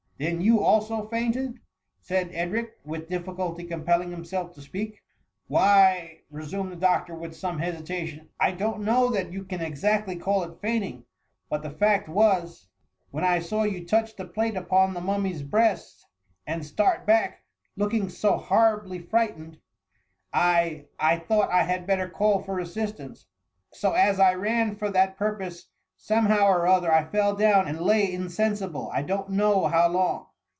" Then you also fainted ?^ said Edrie> with difficulty compelling himself to sp^ak. Why,^ resumed the doctor with some hfsi» j PP"«"""^^^^^ tadoB, ^^ I don't know that yt>u . can ^cactly call it fainting ; but the fact was, when I sslyl. you touch the plate upon the mummy's breast^ and start back, looking 90 horribly frightened, I — I thought I had better call fbr assistance ; so as I ran for that purpose, somehow or other I fell down, and lay insensible I donH know^ how long.